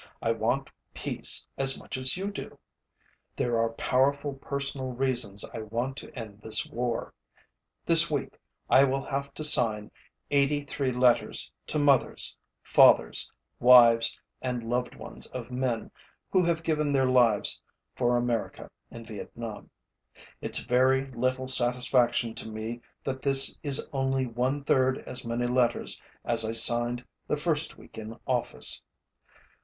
I want peace as much as you do. There are powerful personal reasons I want to end this war. This week I will have to sign 83 letters to mothers, fathers, wives, and loved ones of men who have given their lives for America in Vietnam. It's very little satisfaction to me that this is only one third as many letters as I signed the first week in office.